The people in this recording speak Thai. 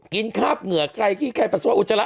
กินคราบเหงื่อใกล้ขี้ไข้ปัสสาวะอุจจัลละ